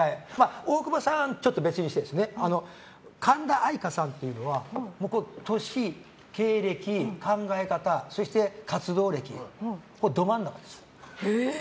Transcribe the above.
大久保さんはちょっと別にして神田愛花さんというのは年、経歴、考え方、そして活動歴ど真ん中ですよ。